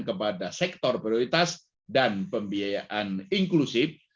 kepada sektor prioritas dan pembiayaan inklusif